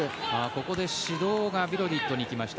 ここで指導がビロディッドに来ました。